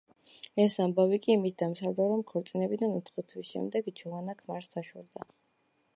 ეს ამბავი კი იმით დამთავრდა, რომ ქორწინებიდან ოთხი თვის შემდეგ ჯოვანა ქმარს დაშორდა.